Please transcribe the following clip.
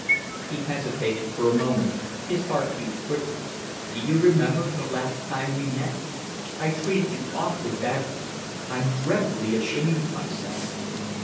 He hesitated for a moment. His heart beat quickly. "D'you remember the last time we met? I treated you awfully badly—I'm dreadfully ashamed of myself."